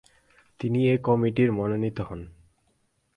তিনি এ কমিটির মনোনীত হন।